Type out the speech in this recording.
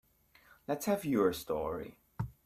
Let's have your story.